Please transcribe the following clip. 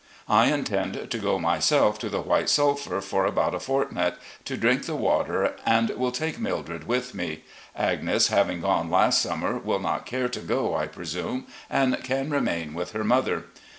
I intend to go myself to the White Sulphur for about a fortnight, to drink the water, and will take Mildred with me. Agnes, having gone last summer, will not care to go, I presume, and can remain with her mother.